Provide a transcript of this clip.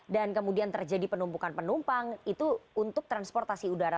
dan kemudian terjadi penumpukan penumpang itu untuk transportasi udara